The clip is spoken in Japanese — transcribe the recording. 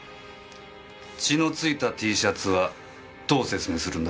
血のついたＴシャツはどう説明するんだ？